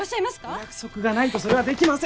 お約束がないとそれはできません！